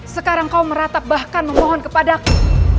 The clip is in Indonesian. sekarang kau meratap bahkan memohon kepadaku